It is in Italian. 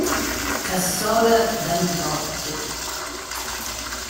Cassola dal dott.